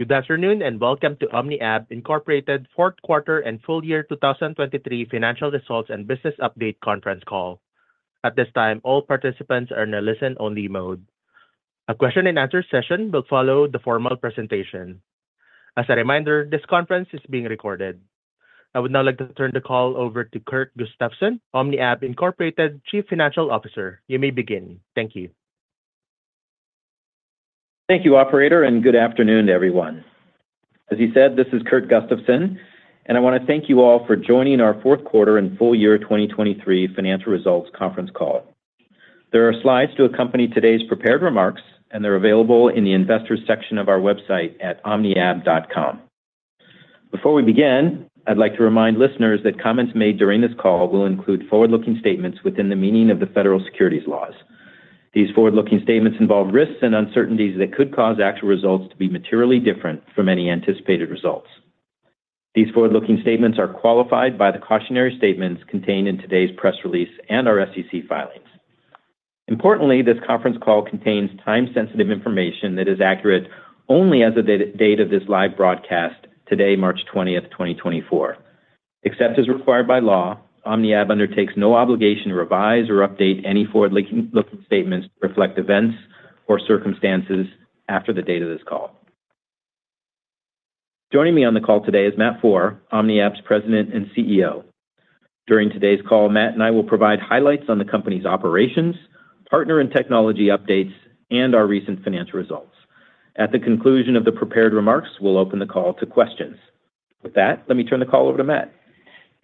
Good afternoon and welcome to OmniAb Incorporated Fourth Quarter and Full Year 2023 Financial Results and Business Update Conference Call. At this time, all participants are in a listen-only mode. A question-and-answer session will follow the formal presentation. As a reminder, this conference is being recorded. I would now like to turn the call over to Kurt Gustafson, OmniAb Incorporated Chief Financial Officer. You may begin. Thank you. Thank you, Operator, and good afternoon, everyone. As you said, this is Kurt Gustafson, and I want to thank you all for joining our fourth quarter and full year 2023 financial results conference call. There are slides to accompany today's prepared remarks, and they're available in the investors section of our website at omniab.com. Before we begin, I'd like to remind listeners that comments made during this call will include forward-looking statements within the meaning of the federal securities laws. These forward-looking statements involve risks and uncertainties that could cause actual results to be materially different from any anticipated results. These forward-looking statements are qualified by the cautionary statements contained in today's press release and our SEC filings. Importantly, this conference call contains time-sensitive information that is accurate only as of the date of this live broadcast today, March 20th, 2024. Except as required by law, OmniAb undertakes no obligation to revise or update any forward-looking statements to reflect events or circumstances after the date of this call. Joining me on the call today is Matt Foehr, OmniAb's President and CEO. During today's call, Matt and I will provide highlights on the company's operations, partner and technology updates, and our recent financial results. At the conclusion of the prepared remarks, we'll open the call to questions. With that, let me turn the call over to Matt.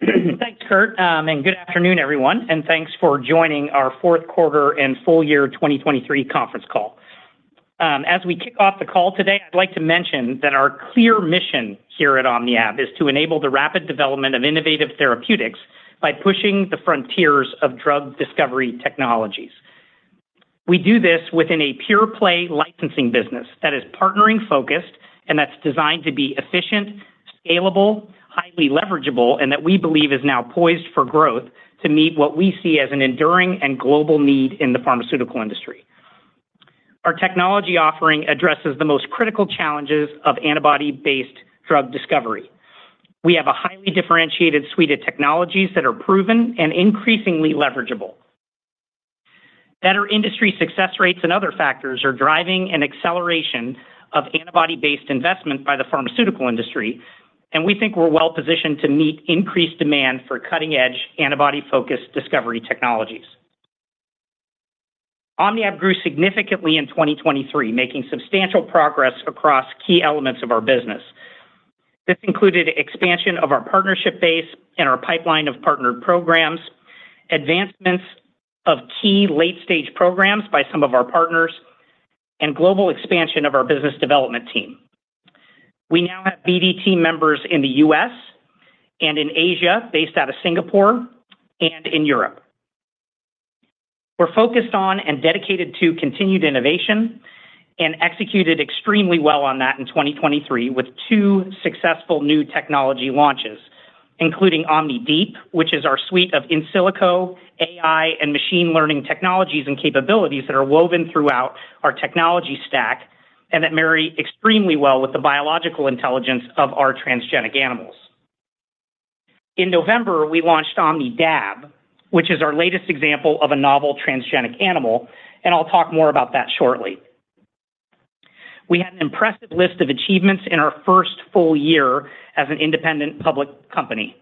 Thanks, Kurt, and good afternoon, everyone, and thanks for joining our fourth quarter and full year 2023 conference call. As we kick off the call today, I'd like to mention that our clear mission here at OmniAb is to enable the rapid development of innovative therapeutics by pushing the frontiers of drug discovery technologies. We do this within a pure-play licensing business that is partnering-focused and that's designed to be efficient, scalable, highly leverageable, and that we believe is now poised for growth to meet what we see as an enduring and global need in the pharmaceutical industry. Our technology offering addresses the most critical challenges of antibody-based drug discovery. We have a highly differentiated suite of technologies that are proven and increasingly leverageable. Better industry success rates and other factors are driving an acceleration of antibody-based investment by the pharmaceutical industry, and we think we're well positioned to meet increased demand for cutting-edge, antibody-focused discovery technologies. OmniAb grew significantly in 2023, making substantial progress across key elements of our business. This included expansion of our partnership base and our pipeline of partnered programs, advancements of key late-stage programs by some of our partners, and global expansion of our business development team. We now have BDT members in the U.S. and in Asia based out of Singapore and in Europe. We're focused on and dedicated to continued innovation and executed extremely well on that in 2023 with 2 successful new technology launches, including OmniDeep, which is our suite of in silico, AI, and machine learning technologies and capabilities that are woven throughout our technology stack and that marry extremely well with the biological intelligence of our transgenic animals. In November, we launched OmnidAb, which is our latest example of a novel transgenic animal, and I'll talk more about that shortly. We had an impressive list of achievements in our first full year as an independent public company,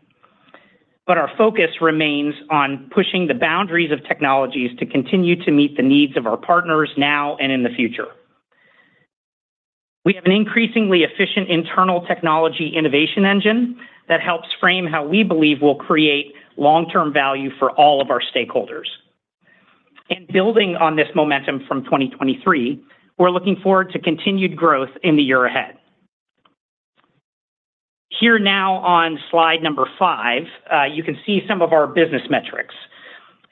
but our focus remains on pushing the boundaries of technologies to continue to meet the needs of our partners now and in the future. We have an increasingly efficient internal technology innovation engine that helps frame how we believe will create long-term value for all of our stakeholders. Building on this momentum from 2023, we're looking forward to continued growth in the year ahead. Here now on slide number five, you can see some of our business metrics,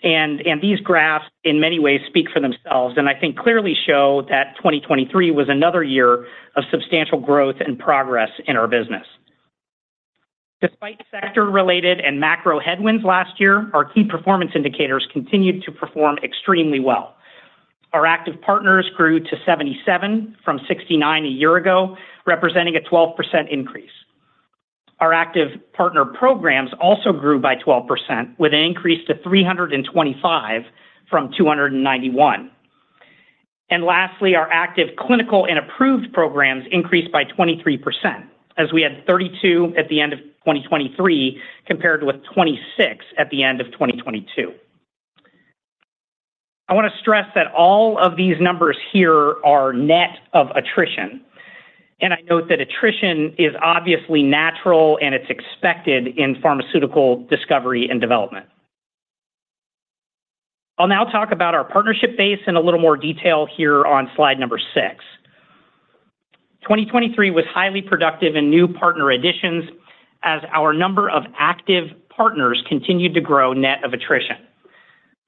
and these graphs in many ways speak for themselves and I think clearly show that 2023 was another year of substantial growth and progress in our business. Despite sector-related and macro headwinds last year, our key performance indicators continued to perform extremely well. Our active partners grew to 77 from 69 a year ago, representing a 12% increase. Our active partner programs also grew by 12%, with an increase to 325 from 291. And lastly, our active clinical and approved programs increased by 23%, as we had 32 at the end of 2023 compared with 26 at the end of 2022. I want to stress that all of these numbers here are net of attrition, and I note that attrition is obviously natural and it's expected in pharmaceutical discovery and development. I'll now talk about our partnership base in a little more detail here on slide 6. 2023 was highly productive in new partner additions as our number of active partners continued to grow net of attrition.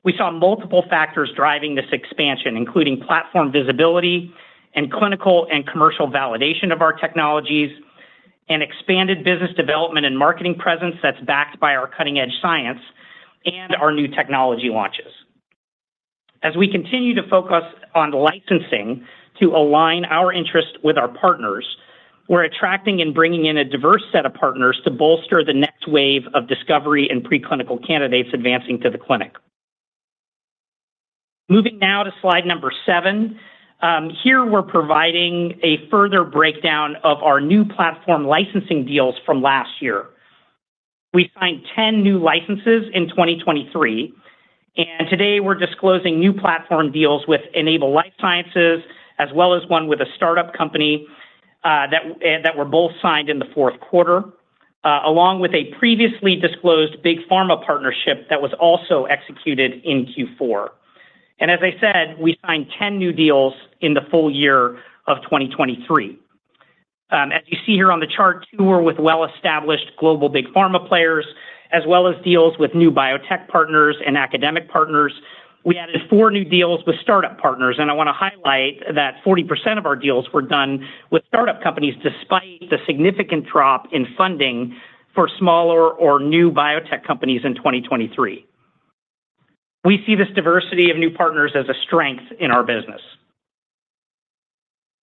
We saw multiple factors driving this expansion, including platform visibility and clinical and commercial validation of our technologies, and expanded business development and marketing presence that's backed by our cutting-edge science and our new technology launches. As we continue to focus on licensing to align our interests with our partners, we're attracting and bringing in a diverse set of partners to bolster the next wave of discovery and preclinical candidates advancing to the clinic. Moving now to slide number 7, here we're providing a further breakdown of our new platform licensing deals from last year. We signed 10 new licenses in 2023, and today we're disclosing new platform deals with Enable Life Sciences as well as one with a startup company that were both signed in the fourth quarter, along with a previously disclosed big pharma partnership that was also executed in Q4. As I said, we signed 10 new deals in the full year of 2023. As you see here on the chart, 2 were with well-established global big pharma players, as well as deals with new biotech partners and academic partners. We added 4 new deals with startup partners, and I want to highlight that 40% of our deals were done with startup companies despite the significant drop in funding for smaller or new biotech companies in 2023. We see this diversity of new partners as a strength in our business.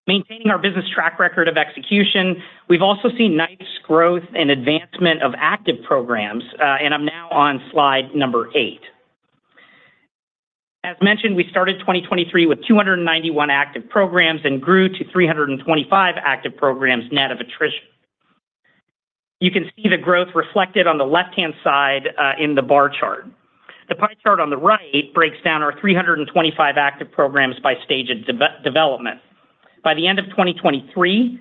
Maintaining our business track record of execution, we've also seen nice growth and advancement of active programs, and I'm now on slide number 8. As mentioned, we started 2023 with 291 active programs and grew to 325 active programs net of attrition. You can see the growth reflected on the left-hand side in the bar chart. The pie chart on the right breaks down our 325 active programs by stage of development. By the end of 2023,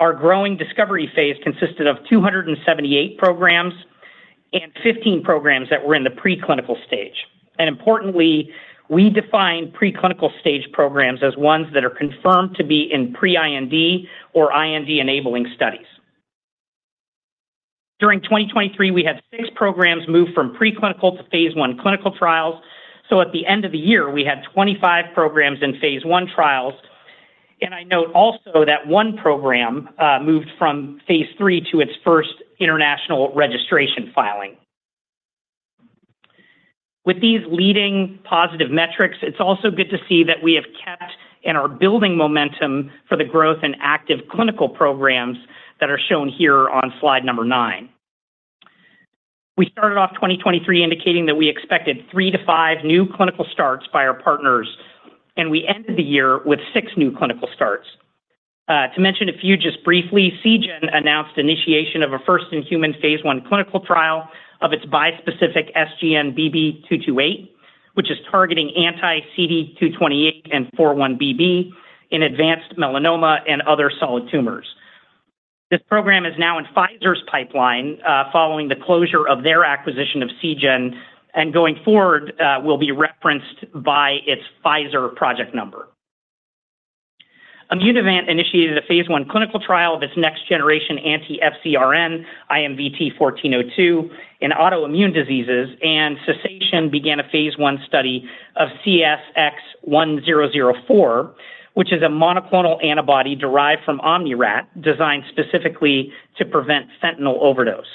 our growing discovery phase consisted of 278 programs and 15 programs that were in the preclinical stage. Importantly, we define preclinical stage programs as ones that are confirmed to be in pre-IND or IND-enabling studies. During 2023, we had 6 programs move from preclinical to phase 1 clinical trials. At the end of the year, we had 25 programs in phase 1 trials, and I note also that one program moved from phase 3 to its first international registration filing. With these leading positive metrics, it's also good to see that we have kept and are building momentum for the growth in active clinical programs that are shown here on slide number 9. We started off 2023 indicating that we expected 3-5 new clinical starts by our partners, and we ended the year with 6 new clinical starts. To mention a few just briefly, Seagen announced initiation of a first-in-human phase 1 clinical trial of its bispecific SGN-BB228, which is targeting CD228 and 4-1BB in advanced melanoma and other solid tumors. This program is now in Pfizer's pipeline following the closure of their acquisition of Seagen, and going forward will be referenced by its Pfizer project number. Immunovant initiated a Phase 1 clinical trial of its next generation anti-FcRn, IMVT-1402, in autoimmune diseases, and Cessation began a phase 1 study of CSX-1004, which is a monoclonal antibody derived from OmniRat designed specifically to prevent fentanyl overdose.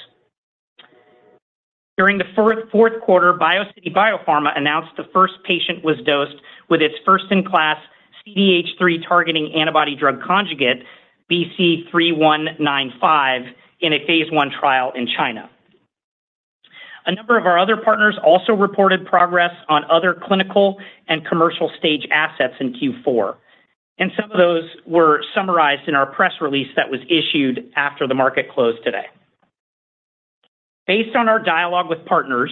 During the fourth quarter, BioCity Biopharma announced the first patient was dosed with its first-in-class CDH3 targeting antibody-drug conjugate, BC3195, in a Phase 1 trial in China. A number of our other partners also reported progress on other clinical and commercial stage assets in Q4, and some of those were summarized in our press release that was issued after the market closed today. Based on our dialogue with partners,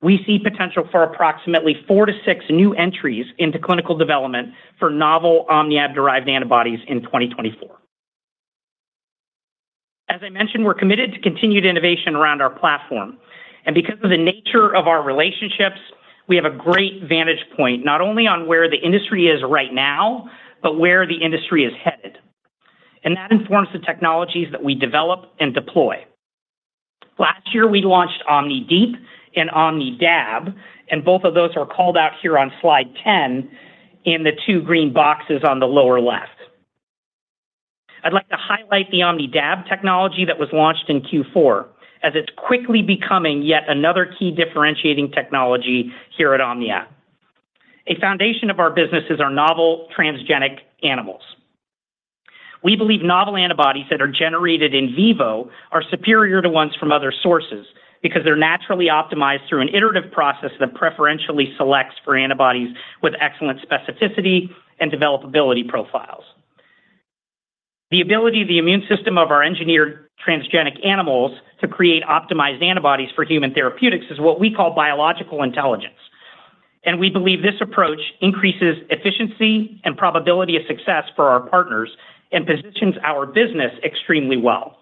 we see potential for approximately 4-6 new entries into clinical development for novel OmniAb-derived antibodies in 2024. As I mentioned, we're committed to continued innovation around our platform, and because of the nature of our relationships, we have a great vantage point not only on where the industry is right now but where the industry is headed. That informs the technologies that we develop and deploy. Last year, we launched OmniDeep and OmnidAb, and both of those are called out here on slide 10 in the two green boxes on the lower left. I'd like to highlight the OmnidAb technology that was launched in Q4 as it's quickly becoming yet another key differentiating technology here at OmniAb. A foundation of our business is our novel transgenic animals. We believe novel antibodies that are generated in vivo are superior to ones from other sources because they're naturally optimized through an iterative process that preferentially selects for antibodies with excellent specificity and developability profiles. The ability of the immune system of our engineered transgenic animals to create optimized antibodies for human therapeutics is what we call biological intelligence. We believe this approach increases efficiency and probability of success for our partners and positions our business extremely well.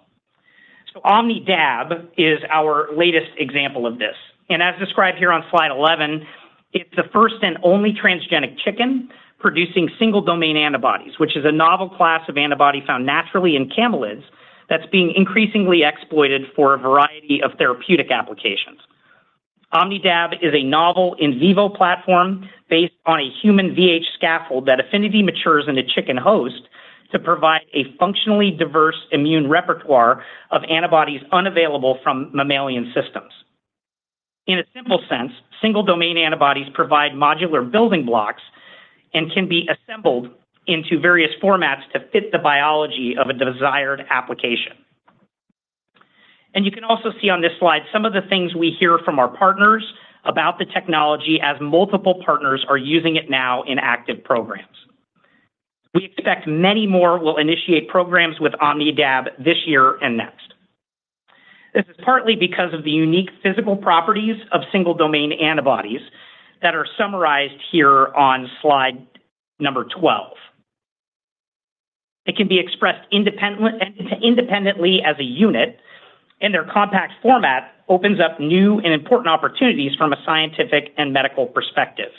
OmnidAb is our latest example of this. As described here on slide 11, it's the first and only transgenic chicken producing single-domain antibodies, which is a novel class of antibody found naturally in camelids that's being increasingly exploited for a variety of therapeutic applications. OmnidAb is a novel in vivo platform based on a human VH scaffold that affinity matures in a chicken host to provide a functionally diverse immune repertoire of antibodies unavailable from mammalian systems. In a simple sense, single-domain antibodies provide modular building blocks and can be assembled into various formats to fit the biology of a desired application. You can also see on this slide some of the things we hear from our partners about the technology as multiple partners are using it now in active programs. We expect many more will initiate programs with OmnidAb this year and next. This is partly because of the unique physical properties of single-domain antibodies that are summarized here on slide number 12. It can be expressed independently as a unit, and their compact format opens up new and important opportunities from a scientific and medical perspective.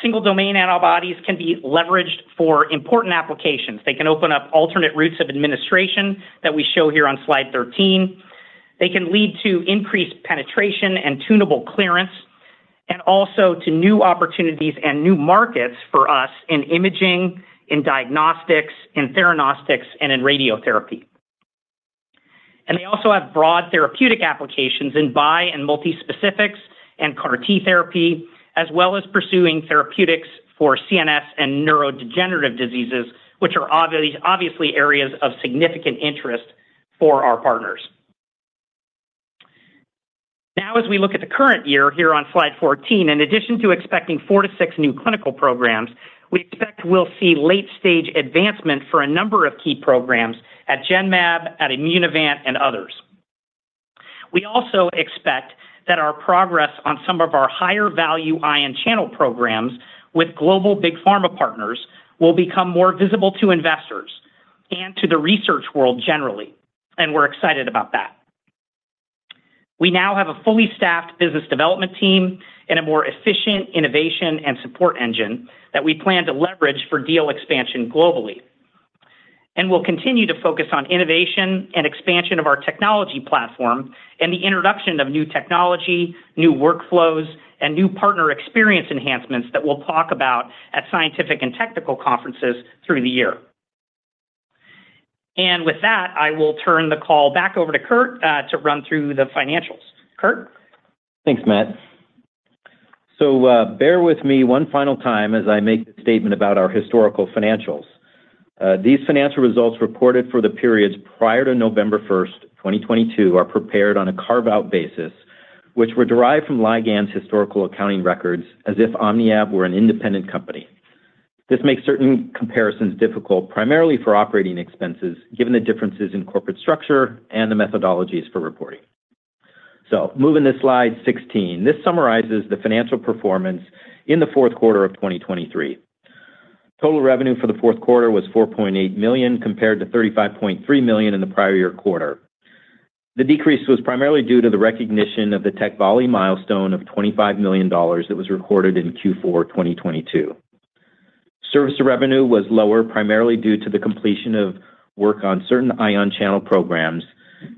Single-domain antibodies can be leveraged for important applications. They can open up alternate routes of administration that we show here on slide 13. They can lead to increased penetration and tunable clearance, and also to new opportunities and new markets for us in imaging, in diagnostics, in theranostics, and in radiotherapy. They also have broad therapeutic applications in bi and multispecifics and CAR-T therapy, as well as pursuing therapeutics for CNS and neurodegenerative diseases, which are obviously areas of significant interest for our partners. Now, as we look at the current year here on slide 14, in addition to expecting 4-6 new clinical programs, we expect we'll see late-stage advancement for a number of key programs at Genmab, at Immunovant, and others. We also expect that our progress on some of our higher-value ion channel programs with global big pharma partners will become more visible to investors and to the research world generally, and we're excited about that. We now have a fully staffed business development team and a more efficient innovation and support engine that we plan to leverage for deal expansion globally. We'll continue to focus on innovation and expansion of our technology platform and the introduction of new technology, new workflows, and new partner experience enhancements that we'll talk about at scientific and technical conferences through the year. With that, I will turn the call back over to Kurt to run through the financials. Kurt? Thanks, Matt. So bear with me one final time as I make the statement about our historical financials. These financial results reported for the periods prior to November 1st, 2022, are prepared on a carve-out basis, which were derived from Ligand's historical accounting records as if OmniAb were an independent company. This makes certain comparisons difficult, primarily for operating expenses given the differences in corporate structure and the methodologies for reporting. So moving to slide 16, this summarizes the financial performance in the fourth quarter of 2023. Total revenue for the fourth quarter was $4.8 million compared to $35.3 million in the prior year quarter. The decrease was primarily due to the recognition of the Tecvayli milestone of $25 million that was recorded in Q4, 2022. Service revenue was lower primarily due to the completion of work on certain ion channel programs,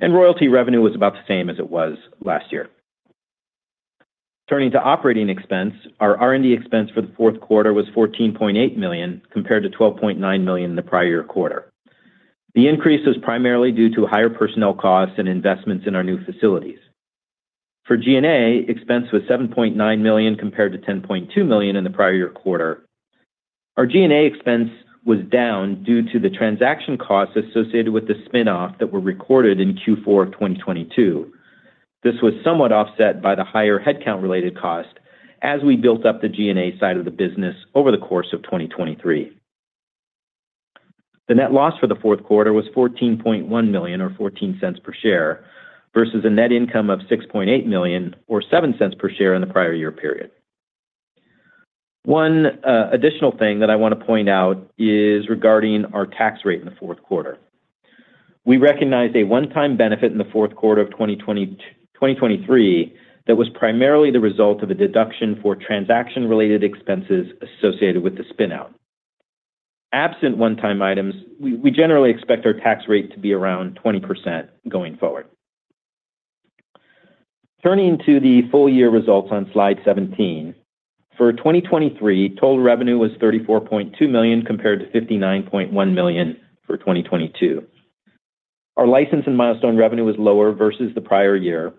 and royalty revenue was about the same as it was last year. Turning to operating expense, our R&D expense for the fourth quarter was $14.8 million compared to $12.9 million in the prior year quarter. The increase was primarily due to higher personnel costs and investments in our new facilities. For G&A, expense was $7.9 million compared to $10.2 million in the prior year quarter. Our G&A expense was down due to the transaction costs associated with the spinoff that were recorded in Q4 of 2022. This was somewhat offset by the higher headcount-related cost as we built up the G&A side of the business over the course of 2023. The net loss for the fourth quarter was $14.1 million or $0.14 per share versus a net income of $6.8 million or $0.07 per share in the prior year period. One additional thing that I want to point out is regarding our tax rate in the fourth quarter. We recognized a one-time benefit in the fourth quarter of 2023 that was primarily the result of a deduction for transaction-related expenses associated with the spinoff. Absent one-time items, we generally expect our tax rate to be around 20% going forward. Turning to the full year results on slide 17, for 2023, total revenue was $34.2 million compared to $59.1 million for 2022. Our license and milestone revenue was lower versus the prior year.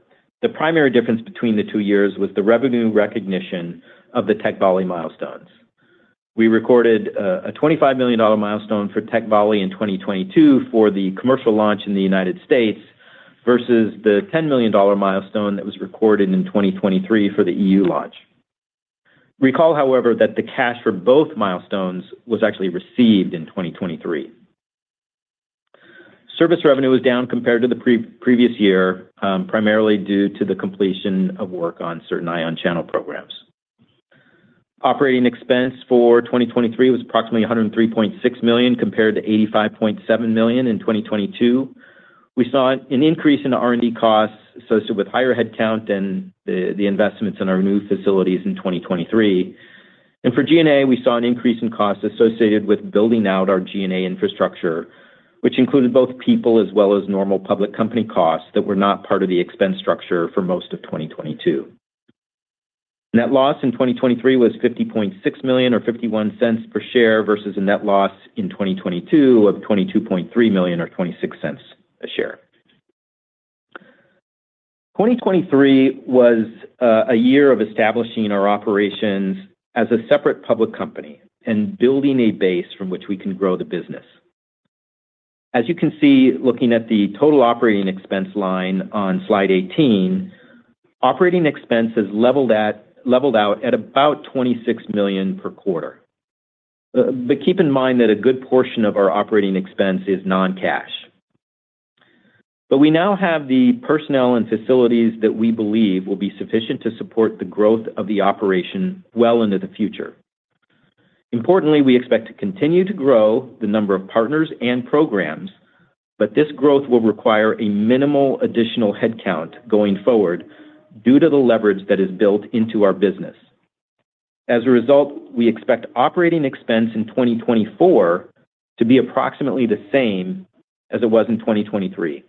The primary difference between the two years was the revenue recognition of the Tecvayli milestones. We recorded a $25 million milestone for Tecvayli in 2022 for the commercial launch in the United States versus the $10 million milestone that was recorded in 2023 for the EU launch. Recall, however, that the cash for both milestones was actually received in 2023. Service revenue was down compared to the previous year, primarily due to the completion of work on certain ion channel programs. Operating expense for 2023 was approximately $103.6 million compared to $85.7 million in 2022. We saw an increase in R&D costs associated with higher headcount than the investments in our new facilities in 2023. For G&A, we saw an increase in costs associated with building out our G&A infrastructure, which included both people as well as normal public company costs that were not part of the expense structure for most of 2022. Net loss in 2023 was $50.6 million or $0.51 per share versus a net loss in 2022 of $22.3 million or $0.26 a share. 2023 was a year of establishing our operations as a separate public company and building a base from which we can grow the business. As you can see, looking at the total operating expense line on slide 18, operating expense has leveled out at about $26 million per quarter. But keep in mind that a good portion of our operating expense is non-cash. But we now have the personnel and facilities that we believe will be sufficient to support the growth of the operation well into the future. Importantly, we expect to continue to grow the number of partners and programs, but this growth will require a minimal additional headcount going forward due to the leverage that is built into our business. As a result, we expect operating expense in 2024 to be approximately the same as it was in 2023.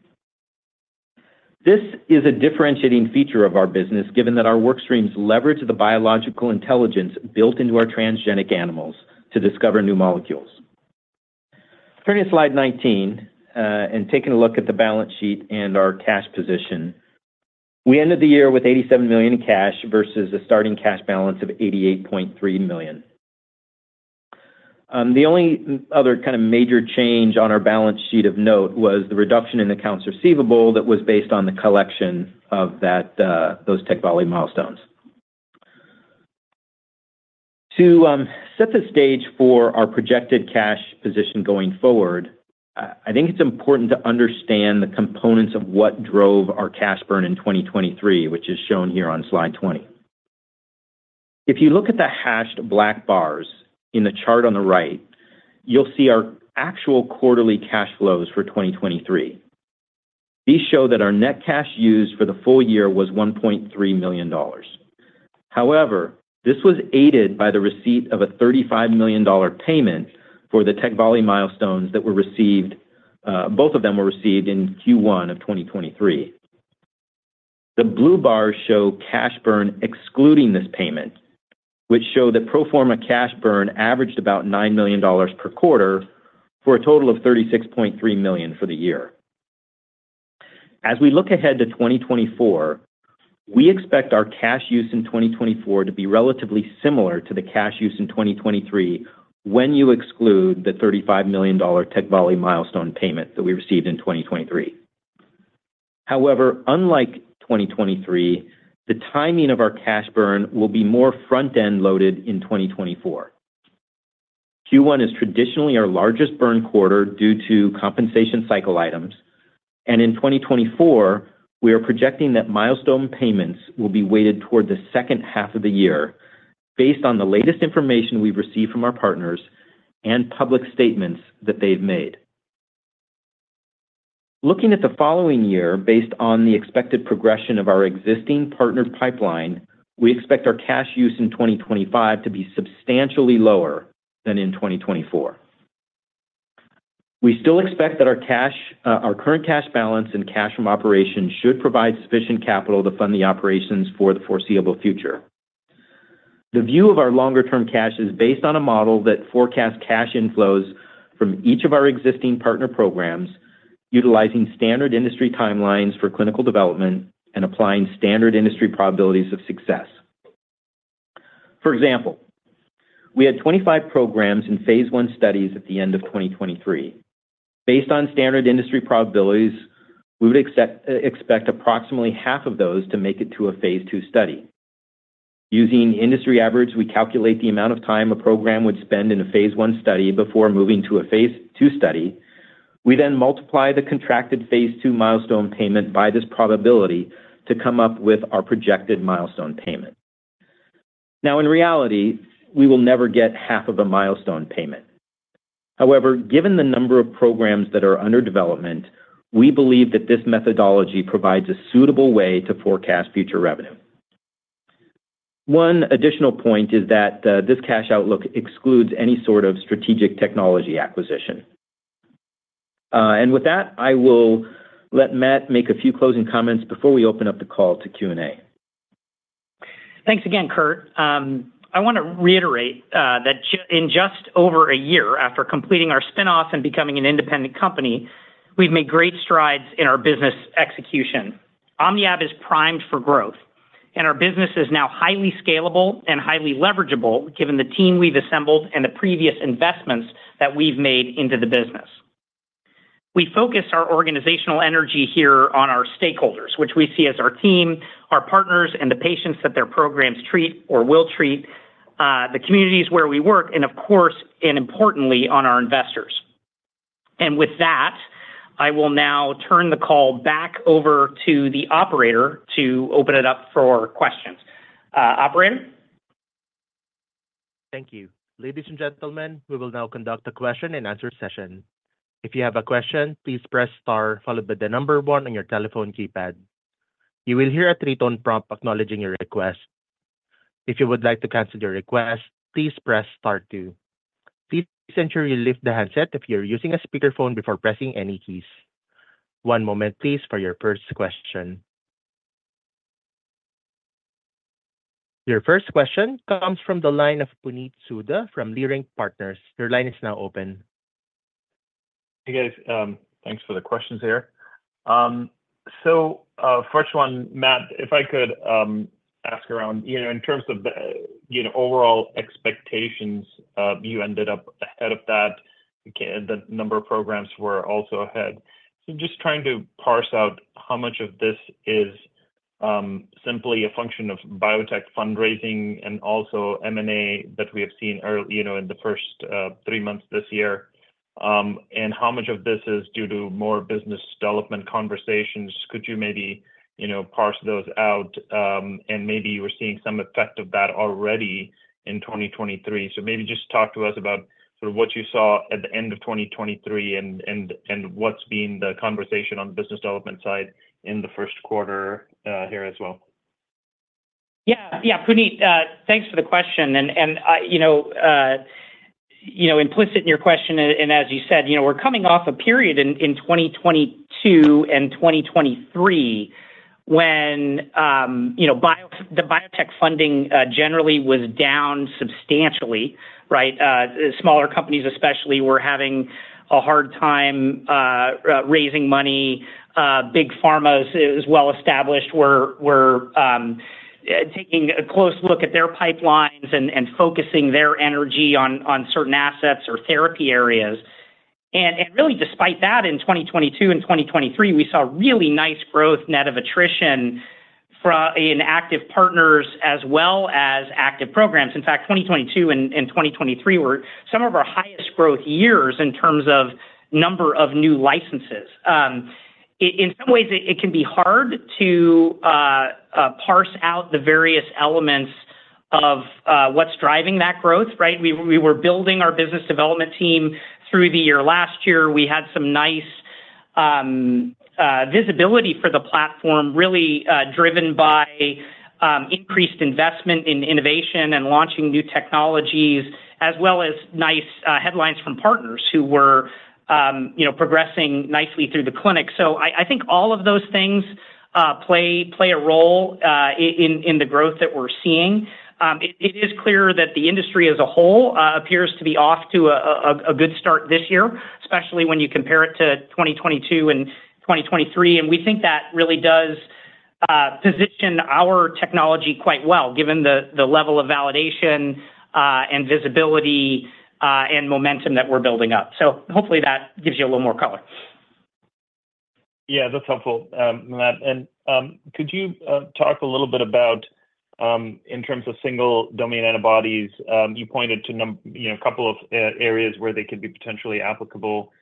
This is a differentiating feature of our business given that our workstreams leverage the biological intelligence built into our transgenic animals to discover new molecules. Turning to slide 19 and taking a look at the balance sheet and our cash position, we ended the year with $87 million in cash versus a starting cash balance of $88.3 million. The only other kind of major change on our balance sheet of note was the reduction in accounts receivable that was based on the collection of those Tecvayli milestones. To set the stage for our projected cash position going forward, I think it's important to understand the components of what drove our cash burn in 2023, which is shown here on slide 20. If you look at the hashed black bars in the chart on the right, you'll see our actual quarterly cash flows for 2023. These show that our net cash used for the full year was $1.3 million. However, this was aided by the receipt of a $35 million payment for the Tecvayli milestones that were received, both of them were received in Q1 of 2023. The blue bars show cash burn excluding this payment, which show that pro forma cash burn averaged about $9 million per quarter for a total of $36.3 million for the year. As we look ahead to 2024, we expect our cash use in 2024 to be relatively similar to the cash use in 2023 when you exclude the $35 million Tecvayli milestone payment that we received in 2023. However, unlike 2023, the timing of our cash burn will be more front-end loaded in 2024. Q1 is traditionally our largest burn quarter due to compensation cycle items. In 2024, we are projecting that milestone payments will be weighted toward the second half of the year based on the latest information we've received from our partners and public statements that they've made. Looking at the following year based on the expected progression of our existing partnered pipeline, we expect our cash use in 2025 to be substantially lower than in 2024. We still expect that our current cash balance and cash from operations should provide sufficient capital to fund the operations for the foreseeable future. The view of our longer-term cash is based on a model that forecasts cash inflows from each of our existing partner programs utilizing standard industry timelines for clinical development and applying standard industry probabilities of success. For example, we had 25 programs in phase 1 studies at the end of 2023. Based on standard industry probabilities, we would expect approximately half of those to make it to a Phase 2 study. Using industry averages, we calculate the amount of time a program would spend in a Phase 1 study before moving to a Phase 2 study. We then multiply the contracted Phase 2 milestone payment by this probability to come up with our projected milestone payment. Now, in reality, we will never get half of a milestone payment. However, given the number of programs that are under development, we believe that this methodology provides a suitable way to forecast future revenue. One additional point is that this cash outlook excludes any sort of strategic technology acquisition. With that, I will let Matt make a few closing comments before we open up the call to Q&A. Thanks again, Kurt. I want to reiterate that in just over a year after completing our spinoff and becoming an independent company, we've made great strides in our business execution. OmniAb is primed for growth, and our business is now highly scalable and highly leverageable given the team we've assembled and the previous investments that we've made into the business. We focus our organizational energy here on our stakeholders, which we see as our team, our partners, and the patients that their programs treat or will treat, the communities where we work, and of course, and importantly, on our investors. And with that, I will now turn the call back over to the operator to open it up for questions. Operator? Thank you. Ladies and gentlemen, we will now conduct a question and answer session. If you have a question, please press star followed by the number one on your telephone keypad. You will hear a three-tone prompt acknowledging your request. If you would like to cancel your request, please press star two. Please ensure you lift the handset if you're using a speakerphone before pressing any keys. One moment, please, for your first question. Your first question comes from the line of Puneet Souda from Leerink Partners. Your line is now open. Hey, guys. Thanks for the questions here. So first one, Matt, if I could ask around in terms of overall expectations, you ended up ahead of that. The number of programs were also ahead. So just trying to parse out how much of this is simply a function of biotech fundraising and also M&A that we have seen in the first three months this year, and how much of this is due to more business development conversations. Could you maybe parse those out? And maybe you were seeing some effect of that already in 2023. So maybe just talk to us about sort of what you saw at the end of 2023 and what's been the conversation on the business development side in the first quarter here as well. Yeah. Yeah, Puneet, thanks for the question. And implicit in your question, and as you said, we're coming off a period in 2022 and 2023 when the biotech funding generally was down substantially, right? Smaller companies, especially, were having a hard time raising money. Big pharmas, as well-established, were taking a close look at their pipelines and focusing their energy on certain assets or therapy areas. And really, despite that, in 2022 and 2023, we saw really nice growth net of attrition in active partners as well as active programs. In fact, 2022 and 2023 were some of our highest growth years in terms of number of new licenses. In some ways, it can be hard to parse out the various elements of what's driving that growth, right? We were building our business development team through the year last year. We had some nice visibility for the platform, really driven by increased investment in innovation and launching new technologies, as well as nice headlines from partners who were progressing nicely through the clinic. So I think all of those things play a role in the growth that we're seeing. It is clear that the industry as a whole appears to be off to a good start this year, especially when you compare it to 2022 and 2023. And we think that really does position our technology quite well given the level of validation and visibility and momentum that we're building up. So hopefully, that gives you a little more color. Yeah, that's helpful, Matt. And could you talk a little bit about in terms of single-domain antibodies, you pointed to a couple of areas where they could be potentially applicable.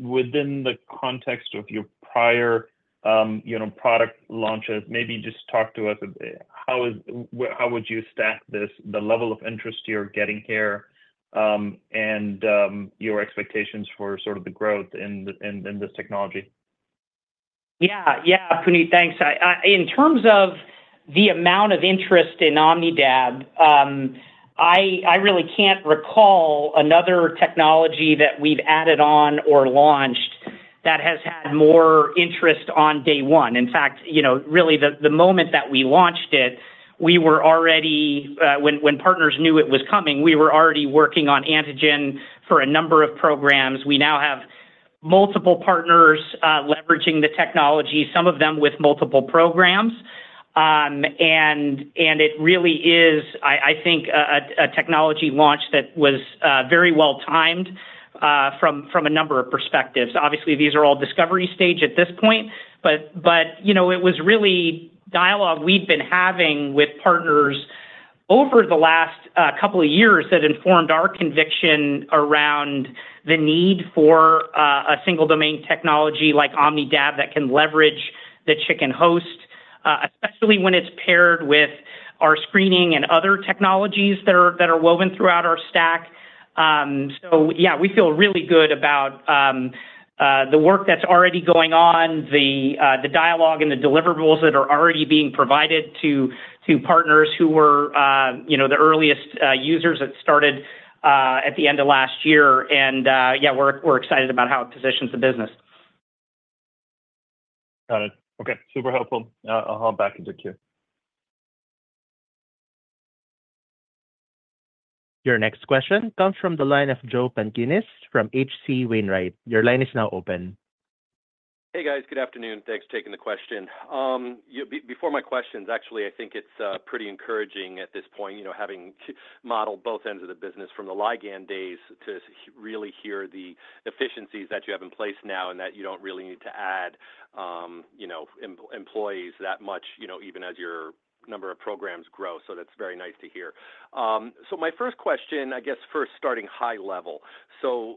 Within the context of your prior product launches, maybe just talk to us, how would you stack this, the level of interest you're getting here, and your expectations for sort of the growth in this technology? Yeah. Yeah, Puneet, thanks. In terms of the amount of interest in OmnidAb, I really can't recall another technology that we've added on or launched that has had more interest on day one. In fact, really, the moment that we launched it, we were already, when partners knew it was coming, we were already working on antigen for a number of programs. We now have multiple partners leveraging the technology, some of them with multiple programs. It really is, I think, a technology launch that was very well-timed from a number of perspectives. Obviously, these are all discovery stage at this point, but it was really dialogue we'd been having with partners over the last couple of years that informed our conviction around the need for a single-domain technology like OmnidAb that can leverage the chicken host, especially when it's paired with our screening and other technologies that are woven throughout our stack. So yeah, we feel really good about the work that's already going on, the dialogue, and the deliverables that are already being provided to partners who were the earliest users that started at the end of last year. And yeah, we're excited about how it positions the business. Got it. Okay. Super helpful. I'll hop back into queue. Your next question comes from the line of Joe Pantginis from H.C. Wainwright. Your line is now open. Hey, guys. Good afternoon. Thanks for taking the question. Before my questions, actually, I think it's pretty encouraging at this point having modeled both ends of the business from the Ligand days to really hear the efficiencies that you have in place now and that you don't really need to add employees that much even as your number of programs grow. So that's very nice to hear. So my first question, I guess, first starting high level, so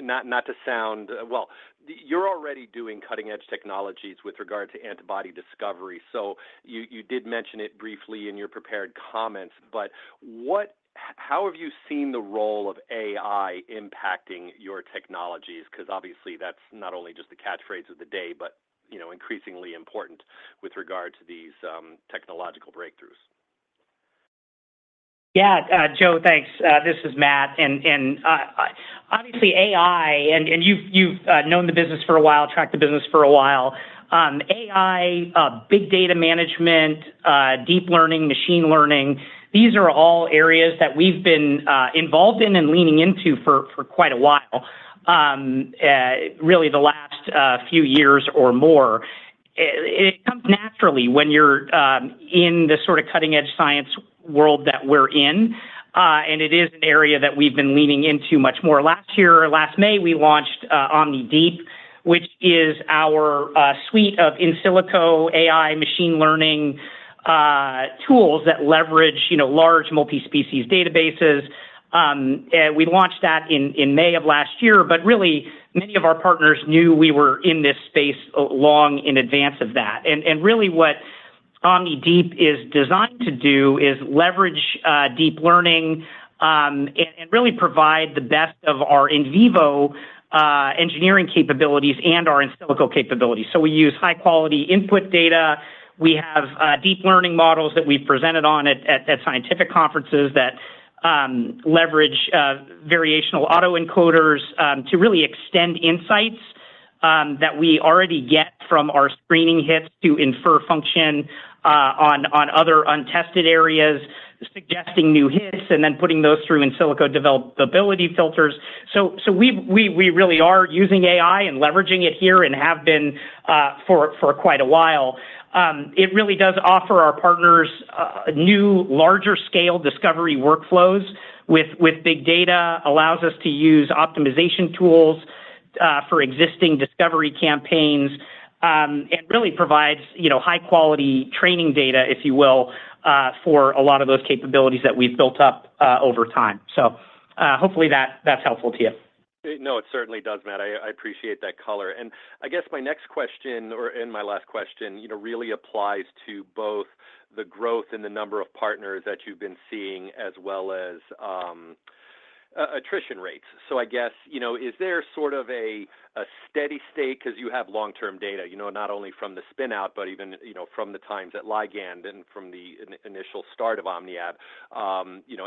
not to sound well, you're already doing cutting-edge technologies with regard to antibody discovery. So you did mention it briefly in your prepared comments, but how have you seen the role of AI impacting your technologies? Because obviously, that's not only just the catchphrase of the day, but increasingly important with regard to these technological breakthroughs. Yeah, Joe, thanks. This is Matt. And obviously, AI, and you've known the business for a while, tracked the business for a while, AI, big data management, deep learning, machine learning, these are all areas that we've been involved in and leaning into for quite a while, really the last few years or more. It comes naturally when you're in the sort of cutting-edge science world that we're in. And it is an area that we've been leaning into much more. Last year, last May, we launched OmniDeep, which is our suite of in silico AI machine learning tools that leverage large multi-species databases. We launched that in May of last year, but really, many of our partners knew we were in this space long in advance of that. Really, what OmniDeep is designed to do is leverage deep learning and really provide the best of our in vivo engineering capabilities and our in silico capabilities. We use high-quality input data. We have deep learning models that we've presented on at scientific conferences that leverage variational autoencoders to really extend insights that we already get from our screening hits to infer function on other untested areas, suggesting new hits, and then putting those through in silico developability filters. We really are using AI and leveraging it here and have been for quite a while. It really does offer our partners new, larger-scale discovery workflows with big data, allows us to use optimization tools for existing discovery campaigns, and really provides high-quality training data, if you will, for a lot of those capabilities that we've built up over time. Hopefully, that's helpful to you. No, it certainly does, Matt. I appreciate that color. I guess my next question or in my last question really applies to both the growth and the number of partners that you've been seeing, as well as attrition rates. So I guess, is there sort of a steady state because you have long-term data, not only from the spinout, but even from the times at Ligand and from the initial start of OmniAb,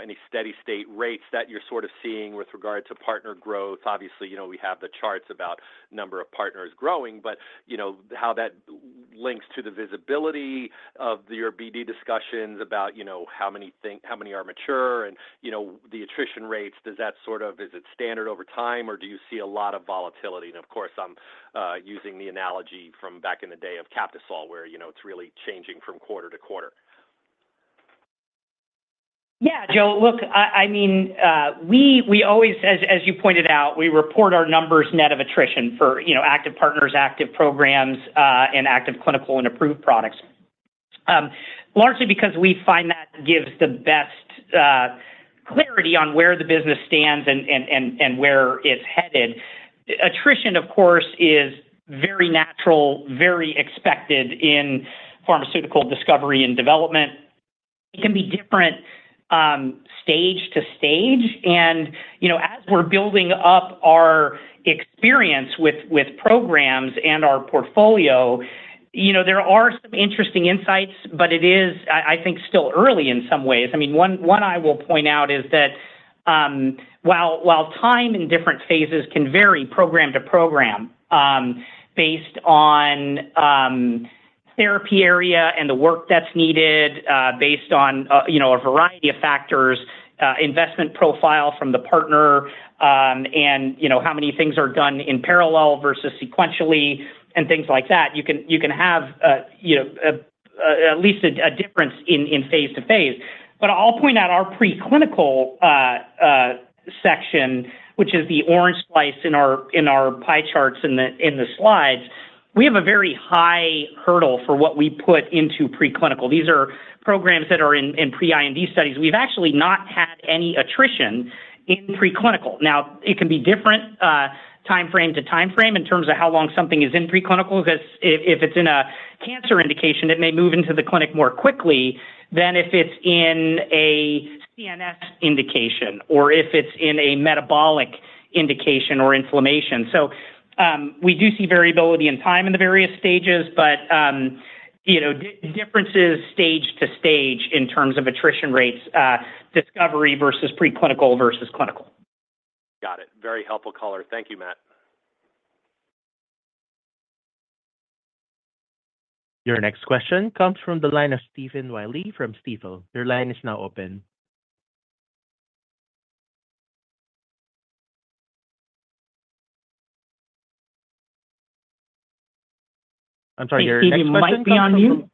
any steady-state rates that you're sort of seeing with regard to partner growth? Obviously, we have the charts about number of partners growing, but how that links to the visibility of your BD discussions about how many are mature and the attrition rates, does that sort of is it standard over time, or do you see a lot of volatility? Of course, I'm using the analogy from back in the day of Captisol where it's really changing from quarter-to-quarter. Yeah, Joe. Look, I mean, we always, as you pointed out, we report our numbers net of attrition for active partners, active programs, and active clinical and approved products, largely because we find that gives the best clarity on where the business stands and where it's headed. Attrition, of course, is very natural, very expected in pharmaceutical discovery and development. It can be different stage to stage. And as we're building up our experience with programs and our portfolio, there are some interesting insights, but it is, I think, still early in some ways. I mean, one I will point out is that while time in different phases can vary program to program based on therapy area and the work that's needed based on a variety of factors, investment profile from the partner, and how many things are done in parallel versus sequentially, and things like that, you can have at least a difference in phase to phase. But I'll point out our preclinical section, which is the orange slice in our pie charts in the slides. We have a very high hurdle for what we put into preclinical. These are programs that are in pre-IND studies. We've actually not had any attrition in preclinical. Now, it can be different time frame to time frame in terms of how long something is in preclinical because if it's in a cancer indication, it may move into the clinic more quickly than if it's in a CNS indication or if it's in a metabolic indication or inflammation. So we do see variability in time in the various stages, but differences stage to stage in terms of attrition rates, discovery versus preclinical versus clinical. Got it. Very helpful color. Thank you, Matt. Your next question comes from the line of Stephen Willey from Stifel. Your line is now open. Hey, Stephen, might it be on mute?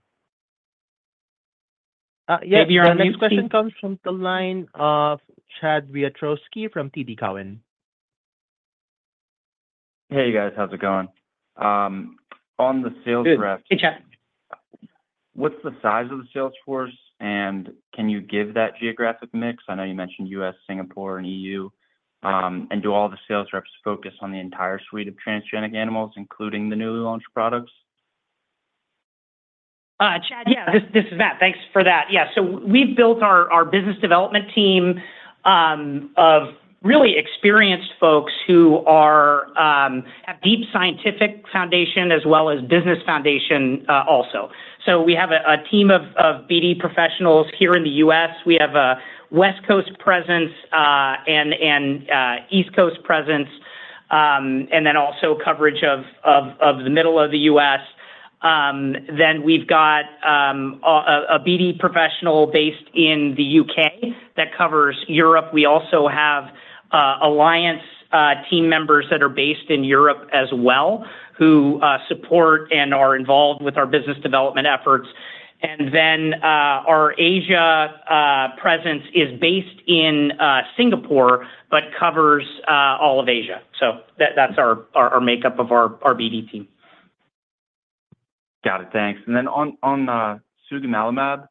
Yeah, your next question comes from the line of Chad Wiatrowski from TD Cowen. Hey, you guys. How's it going? On the sales rep. Good. Hey, Chad. What's the size of the sales force, and can you give that geographic mix? I know you mentioned U.S., Singapore, and E.U. Do all the sales reps focus on the entire suite of transgenic animals, including the newly launched products? Chad, yeah. This is Matt. Thanks for that. Yeah. So we've built our business development team of really experienced folks who have deep scientific foundation as well as business foundation also. So we have a team of BD professionals here in the U.S. We have a West Coast presence and East Coast presence, and then also coverage of the middle of the U.S. Then we've got a BD professional based in the U.K. that covers Europe. We also have alliance team members that are based in Europe as well who support and are involved with our business development efforts. And then our Asia presence is based in Singapore but covers all of Asia. So that's our makeup of our BD team. Got it. Thanks. And then on Sugemalimab,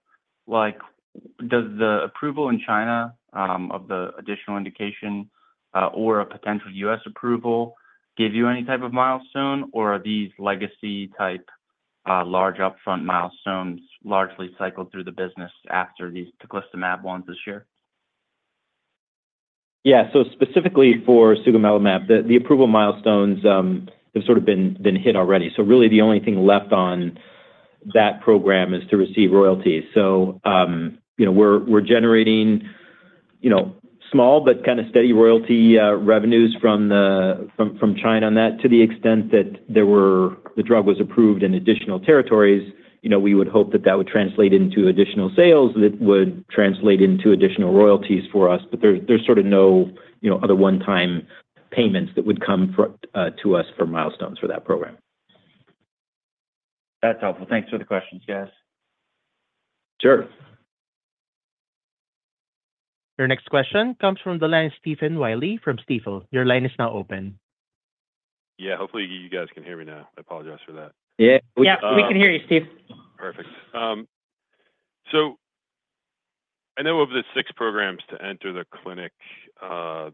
does the approval in China of the additional indication or a potential U.S. approval give you any type of milestone, or are these legacy-type large upfront milestones largely cycled through the business after these Teclistamab ones this year? Yeah. So specifically for Sugemalimab, the approval milestones have sort of been hit already. So really, the only thing left on that program is to receive royalties. So we're generating small but kind of steady royalty revenues from China on that to the extent that the drug was approved in additional territories. We would hope that that would translate into additional sales that would translate into additional royalties for us. But there's sort of no other one-time payments that would come to us for milestones for that program. That's helpful. Thanks for the questions, guys. Sure. Your next question comes from the line of Stephen Willey from Stifel. Your line is now open. Yeah. Hopefully, you guys can hear me now. I apologize for that. Yeah. We can hear you, Steve. Perfect. So I know of the 6 programs to enter the clinic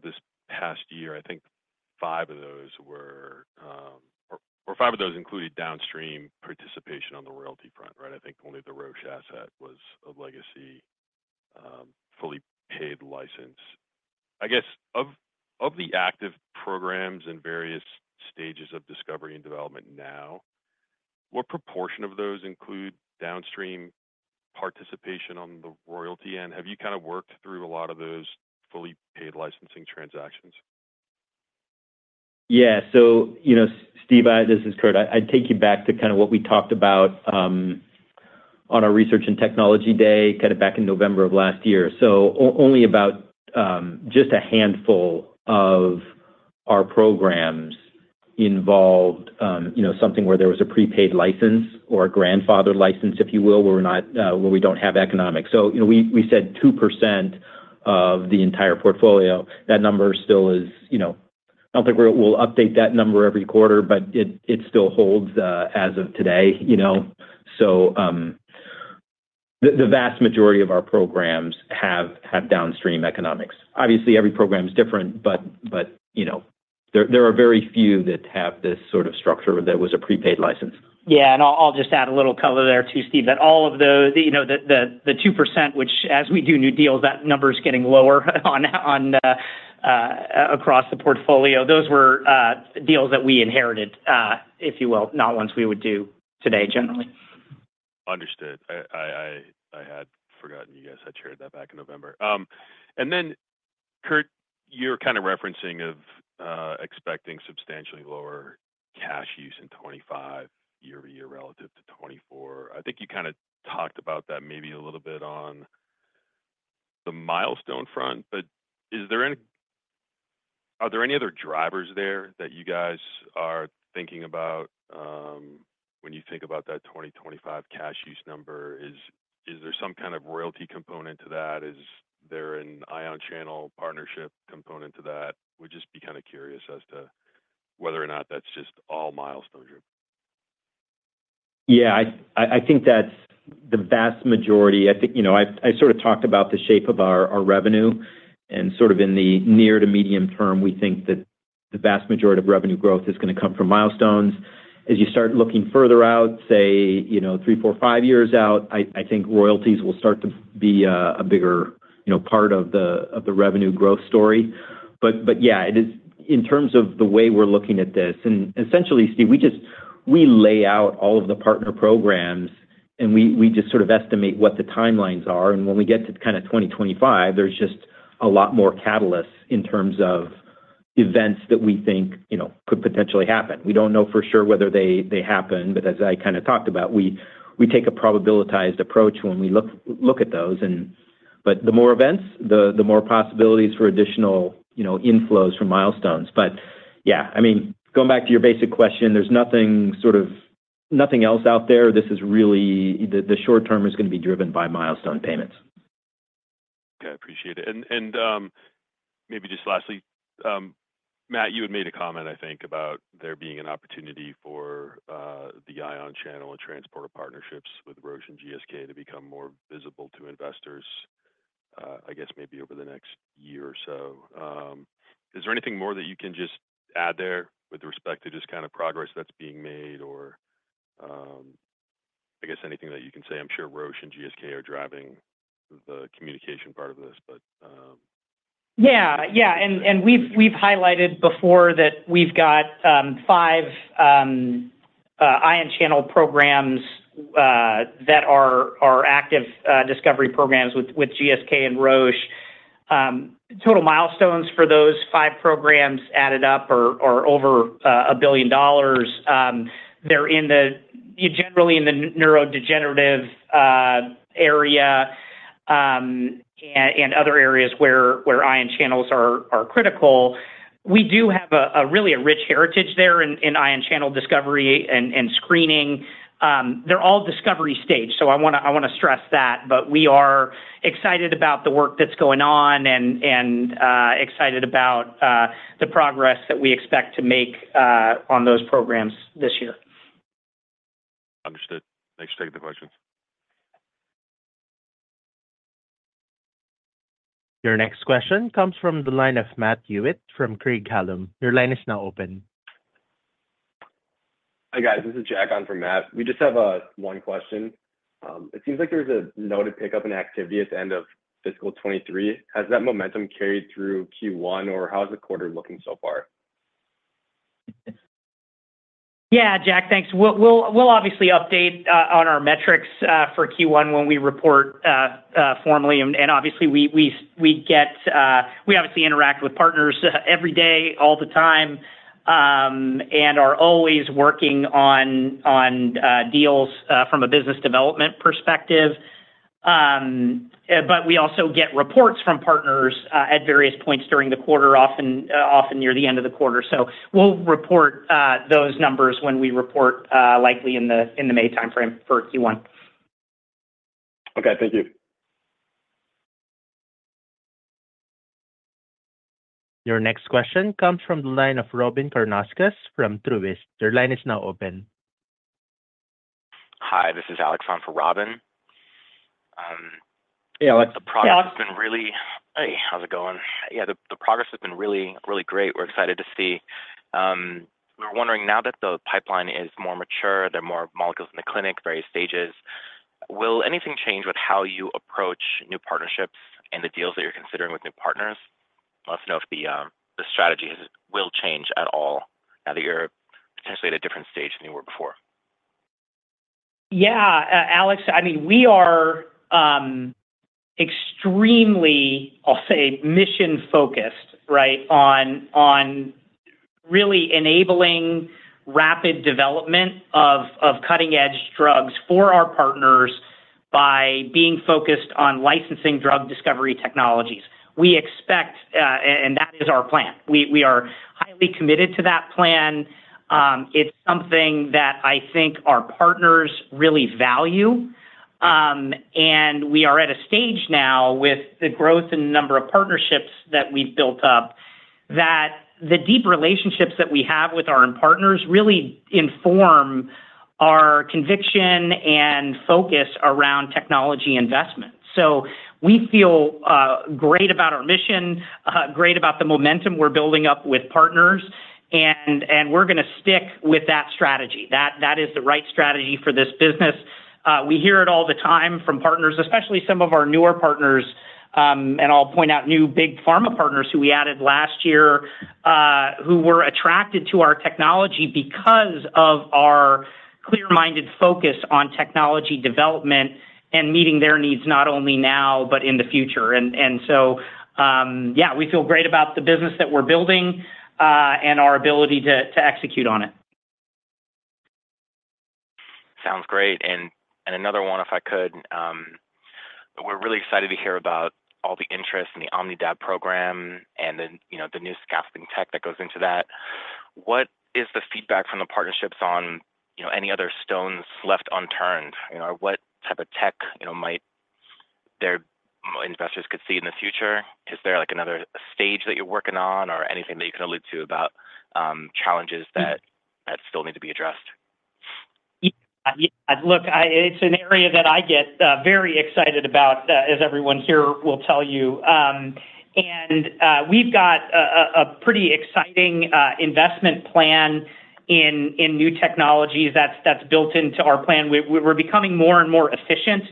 this past year. I think 5 of those were or 5 of those included downstream participation on the royalty front, right? I think only the Roche asset was a legacy fully paid license. I guess, of the active programs in various stages of discovery and development now, what proportion of those include downstream participation on the royalty end? Have you kind of worked through a lot of those fully paid licensing transactions? Yeah. So Steve, this is Kurt. I'd take you back to kind of what we talked about on our research and technology day kind of back in November of last year. So only about just a handful of our programs involved something where there was a prepaid license or a grandfather license, if you will, where we don't have economics. So we said 2% of the entire portfolio. That number still is. I don't think we'll update that number every quarter, but it still holds as of today. So the vast majority of our programs have downstream economics. Obviously, every program is different, but there are very few that have this sort of structure that was a prepaid license. Yeah. I'll just add a little color there too, Steve, that all of those, the 2%, which as we do new deals, that number's getting lower across the portfolio. Those were deals that we inherited, if you will, not ones we would do today, generally. Understood. I had forgotten you guys had shared that back in November. Then, Kurt, you were kind of referencing expecting substantially lower cash use in 2025 year-over-year relative to 2024. I think you kind of talked about that maybe a little bit on the milestone front, but are there any other drivers there that you guys are thinking about when you think about that 2025 cash use number? Is there some kind of royalty component to that? Is there an ion channel partnership component to that? We'd just be kind of curious as to whether or not that's just all milestones or. Yeah. I think that's the vast majority. I think I sort of talked about the shape of our revenue. And sort of in the near to medium term, we think that the vast majority of revenue growth is going to come from milestones. As you start looking further out, say, 3, 4, 5 years out, I think royalties will start to be a bigger part of the revenue growth story. But yeah, in terms of the way we're looking at this and essentially, Steve, we lay out all of the partner programs, and we just sort of estimate what the timelines are. And when we get to kind of 2025, there's just a lot more catalysts in terms of events that we think could potentially happen. We don't know for sure whether they happen, but as I kind of talked about, we take a probabilitized approach when we look at those. But the more events, the more possibilities for additional inflows from milestones. But yeah, I mean, going back to your basic question, there's nothing sort of else out there. The short term is going to be driven by milestone payments. Okay. Appreciate it. And maybe just lastly, Matt, you had made a comment, I think, about there being an opportunity for the ion channel and transporter partnerships with Roche and GSK to become more visible to investors, I guess, maybe over the next year or so. Is there anything more that you can just add there with respect to just kind of progress that's being made or I guess anything that you can say? I'm sure Roche and GSK are driving the communication part of this, but. Yeah. Yeah. And we've highlighted before that we've got five ion channel programs that are active discovery programs with GSK and Roche. Total milestones for those five programs added up are over $1 billion. They're generally in the neurodegenerative area and other areas where ion channels are critical. We do have really a rich heritage there in ion channel discovery and screening. They're all discovery stage. So I want to stress that. But we are excited about the work that's going on and excited about the progress that we expect to make on those programs this year. Understood. Thanks for taking the questions. Your next question comes from the line of Matt Hewitt from Craig-Hallum. Your line is now open. Hi guys. This is Jack. I'm from Matt. We just have one question. It seems like there's a noted pickup in activity at the end of fiscal 2023. Has that momentum carried through Q1, or how is the quarter looking so far? Yeah, Jack. Thanks. We'll obviously update on our metrics for Q1 when we report formally. And obviously, we obviously interact with partners every day, all the time, and are always working on deals from a business development perspective. But we also get reports from partners at various points during the quarter, often near the end of the quarter. So we'll report those numbers when we report, likely in the May time frame for Q1. Okay. Thank you. Your next question comes from the line of Robyn Karnauskas from Truist. Your line is now open. Hi. This is Alex from Robin. Hey, Alex. The progress has been really. Hey, how's it going? Yeah, the progress has been really, really great. We're excited to see. We were wondering, now that the pipeline is more mature, there are more molecules in the clinic, various stages, will anything change with how you approach new partnerships and the deals that you're considering with new partners? Let us know if the strategy will change at all now that you're potentially at a different stage than you were before. Yeah, Alex. I mean, we are extremely, I'll say, mission-focused, right, on really enabling rapid development of cutting-edge drugs for our partners by being focused on licensing drug discovery technologies. And that is our plan. We are highly committed to that plan. It's something that I think our partners really value. And we are at a stage now with the growth and number of partnerships that we've built up that the deep relationships that we have with our partners really inform our conviction and focus around technology investment. So we feel great about our mission, great about the momentum we're building up with partners, and we're going to stick with that strategy. That is the right strategy for this business. We hear it all the time from partners, especially some of our newer partners. I'll point out new big pharma partners who we added last year who were attracted to our technology because of our clear-minded focus on technology development and meeting their needs not only now but in the future. And so yeah, we feel great about the business that we're building and our ability to execute on it. Sounds great. Another one, if I could, we're really excited to hear about all the interest in the OmnidAb program and the new scaffolding tech that goes into that. What is the feedback from the partnerships on any other stones left unturned? What type of tech might their investors could see in the future? Is there another stage that you're working on or anything that you can allude to about challenges that still need to be addressed? Look, it's an area that I get very excited about, as everyone here will tell you. We've got a pretty exciting investment plan in new technologies that's built into our plan. We're becoming more and more efficient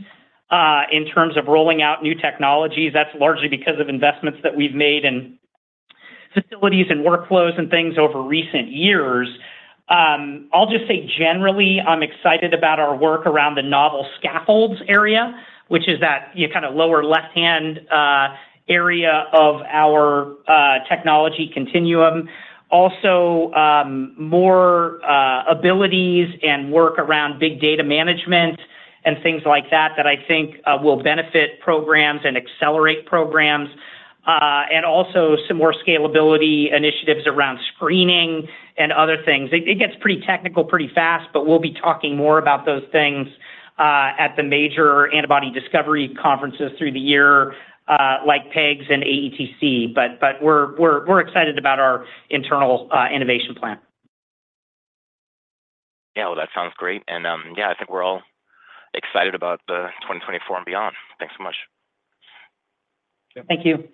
in terms of rolling out new technologies. That's largely because of investments that we've made in facilities and workflows and things over recent years. I'll just say generally, I'm excited about our work around the novel scaffolds area, which is that kind of lower left-hand area of our technology continuum. Also, more abilities and work around big data management and things like that that I think will benefit programs and accelerate programs, and also some more scalability initiatives around screening and other things. It gets pretty technical pretty fast, but we'll be talking more about those things at the major antibody discovery conferences through the year like PEGS and AETC. We're excited about our internal innovation plan. Yeah. Well, that sounds great. And yeah, I think we're all excited about the 2024 and beyond. Thanks so much. Thank you.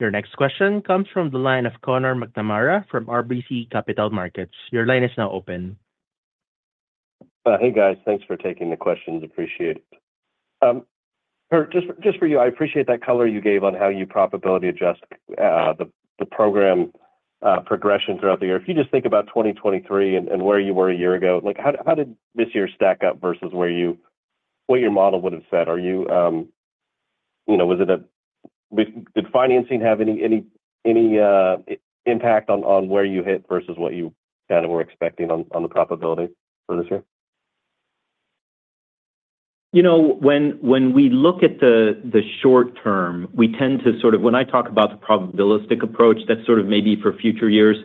Your next question comes from the line of Conor McNamara from RBC Capital Markets. Your line is now open. Hey guys. Thanks for taking the questions. Appreciate it. Kurt, just for you, I appreciate that color you gave on how you probability-adjust the program progression throughout the year. If you just think about 2023 and where you were a year ago, how did this year stack up versus what your model would have said? Was it? Did financing have any impact on where you hit versus what you kind of were expecting on the probability for this year? When we look at the short term, we tend to sort of when I talk about the probabilistic approach, that's sort of maybe for future years.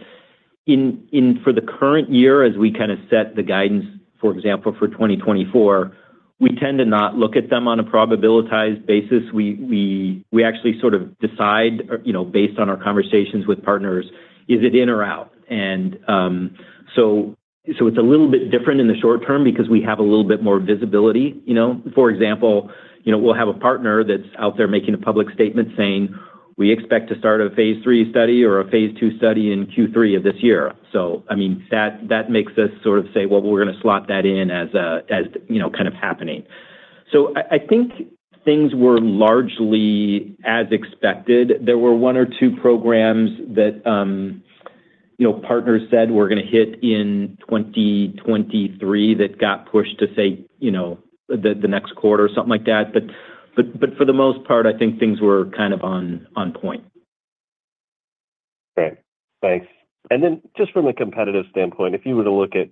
For the current year, as we kind of set the guidance, for example, for 2024, we tend to not look at them on a probabilitized basis. We actually sort of decide based on our conversations with partners, is it in or out? And so it's a little bit different in the short term because we have a little bit more visibility. For example, we'll have a partner that's out there making a public statement saying, "We expect to start a Phase 3 study or a Phase 2 study in Q3 of this year." So I mean, that makes us sort of say, "Well, we're going to slot that in as kind of happening." So I think things were largely as expected. There were one or two programs that partners said were going to hit in 2023 that got pushed to say the next quarter or something like that. But for the most part, I think things were kind of on point. Great. Thanks. And then just from a competitive standpoint, if you were to look at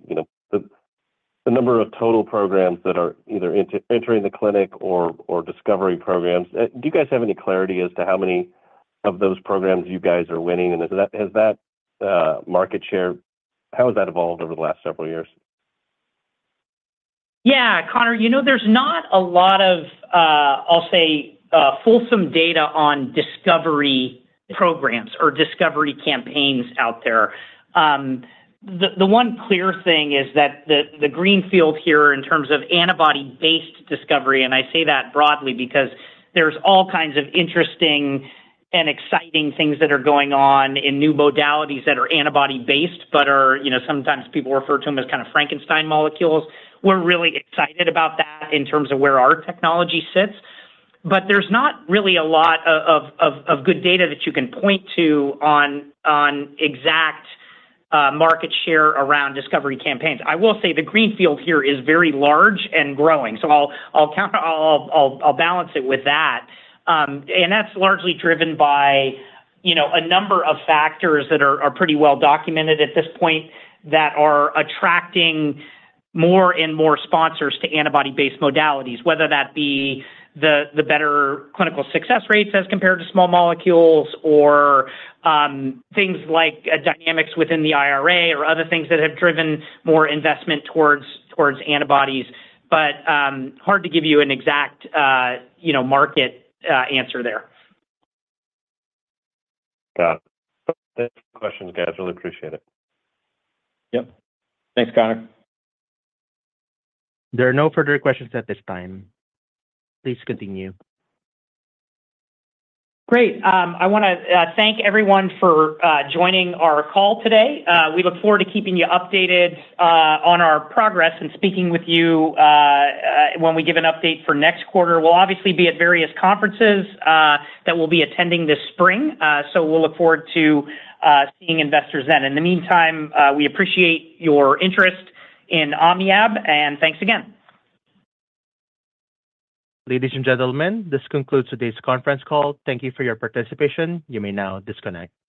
the number of total programs that are either entering the clinic or discovery programs, do you guys have any clarity as to how many of those programs you guys are winning? And has that market share, how has that evolved over the last several years? Yeah. Conor, there's not a lot of, I'll say, fulsome data on discovery programs or discovery campaigns out there. The one clear thing is that the greenfield here in terms of antibody-based discovery and I say that broadly because there's all kinds of interesting and exciting things that are going on in new modalities that are antibody-based but are sometimes people refer to them as kind of Frankenstein molecules. We're really excited about that in terms of where our technology sits. But there's not really a lot of good data that you can point to on exact market share around discovery campaigns. I will say the greenfield here is very large and growing. So I'll balance it with that. That's largely driven by a number of factors that are pretty well documented at this point that are attracting more and more sponsors to antibody-based modalities, whether that be the better clinical success rates as compared to small molecules or things like dynamics within the IRA or other things that have driven more investment towards antibodies. But hard to give you an exact market answer there. Got it. Thanks for the questions, guys. Really appreciate it. Yep. Thanks, Conor. There are no further questions at this time. Please continue. Great. I want to thank everyone for joining our call today. We look forward to keeping you updated on our progress and speaking with you when we give an update for next quarter. We'll obviously be at various conferences that we'll be attending this spring. So we'll look forward to seeing investors then. In the meantime, we appreciate your interest in OmniAb, and thanks again. Ladies and gentlemen, this concludes today's conference call. Thank you for your participation. You may now disconnect.